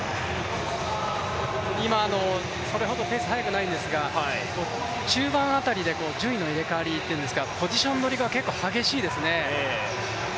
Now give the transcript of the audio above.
今、それほどペースは速くないんですが、中盤あたりで順位の入れ代わりというかポジション取りが結構激しいですね。